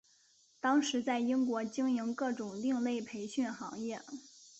当时在英国经营各种另类培训行业。